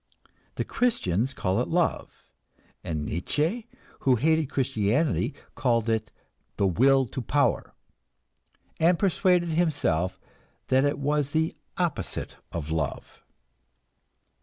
The Christians call it love, and Nietzsche, who hated Christianity, called it "the will to power," and persuaded himself that it was the opposite of love.